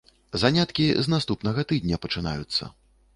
Заняткі з наступнага тыдня пачынаюцца.